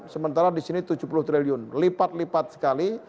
sementara di sini tujuh puluh triliun lipat lipat sekali